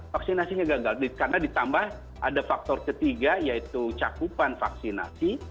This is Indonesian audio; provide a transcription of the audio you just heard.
vaksinasinya gagal karena ditambah ada faktor ketiga yaitu cakupan vaksinasi